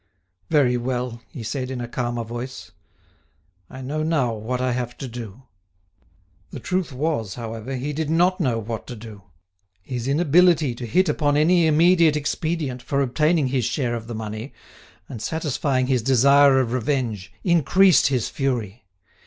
"Very well," he said, in a calmer voice, "I know now what I have to do." The truth was, however, he did not know what to do. His inability to hit upon any immediate expedient for obtaining his share of the money and satisfying his desire of revenge increased his fury.